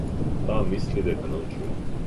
Таа мисли дека научила.